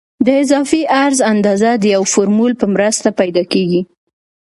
د اضافي عرض اندازه د یو فورمول په مرسته پیدا کیږي